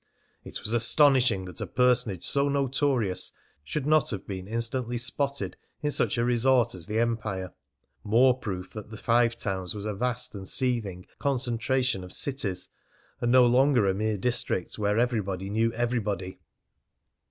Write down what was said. It was astonishing that a personage so notorious should not have been instantly "spotted" in such a resort as the Empire. More proof that the Five Towns was a vast and seething concentration of cities, and no longer a mere district where everybody knew everybody.